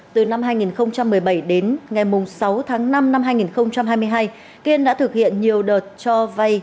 từ năm hai nghìn một mươi bảy đến ngày sáu tháng năm năm hai nghìn hai mươi hai kiên đã thực hiện nhiều đợt cho vay